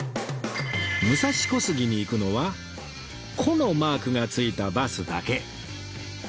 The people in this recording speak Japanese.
武蔵小杉に行くのは「小」のマークが付いたバスだけ